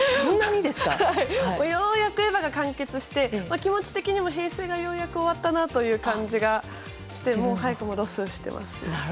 ようやく「エヴァ」が完結して気持ち的にも平成がようやく終わったなという感じが早くも、ロスしてます。